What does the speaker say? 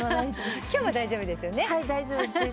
今日は大丈夫ですよね？